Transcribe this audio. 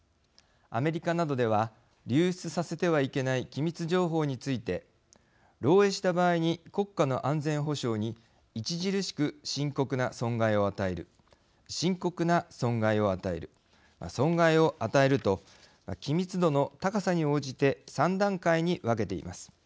アメリカなどでは流出させてはいけない機密情報について漏えいした場合に国家の安全保障に著しく深刻な損害を与える深刻な損害を与える損害を与えると機密度の高さに応じて３段階に分けています。